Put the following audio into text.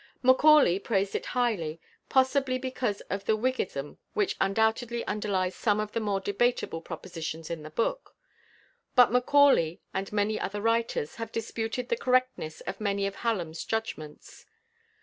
Macaulay praised it highly, possibly because of the Whiggism which undoubtedly underlies some of the more debatable propositions in the book; but Macaulay and many other writers have disputed the correctness of many of Hallam's judgments.